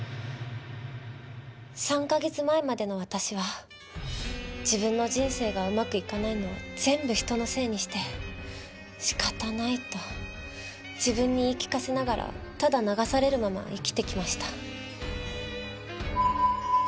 ３カ月前までの私は自分の人生がうまくいかないのを全部人のせいにして仕方ないと自分に言い聞かせながらただ流されるまま生きてきました。